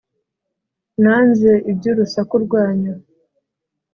Na nze ibyu rusaku rwanyu